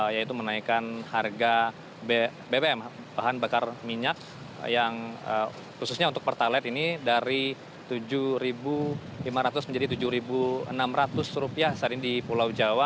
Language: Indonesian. yaitu menaikkan harga bbm bahan bakar minyak yang khususnya untuk pertalite ini dari rp tujuh lima ratus menjadi rp tujuh enam ratus saat ini di pulau jawa